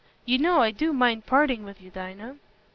You know I do mind parting with you, Dinah?"